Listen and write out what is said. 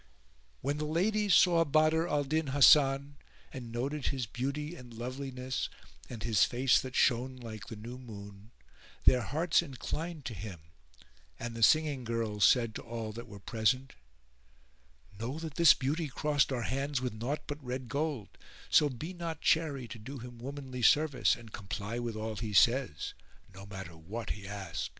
When the ladies saw Badr al Din Hasan and noted his beauty and loveliness and his face that shone like the new moon, their hearts inclined to him and the singing girls said to all that were present, "Know that this beauty crossed our hands with naught but red gold; so be not chary to do him womanly service and comply with all he says, no matter what he ask.